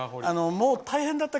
もう、大変だった。